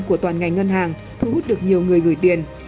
của toàn ngành ngân hàng thu hút được nhiều người gửi tiền